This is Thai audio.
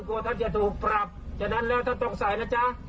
ท่านจะถูกปรับฉะนั้นแล้วท่านต้องใส่นะจ๊ะ